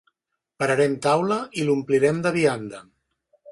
Pararem taula i l'omplirem de vianda.